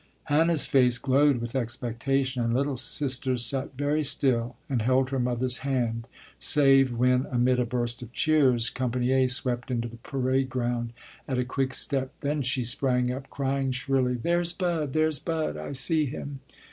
Hannah's face glowed with expectation, and "little sister" sat very still and held her mother's hand save when amid a burst of cheers company "A" swept into the parade ground at a quick step, then she sprang up, crying shrilly, "There's Bud! there's Bud! I see him!"